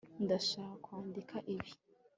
Ndashaka kwandika ibi